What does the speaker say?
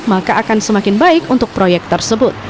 maka akan semakin baik untuk proyek tersebut